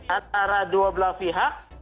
antara dua belah pihak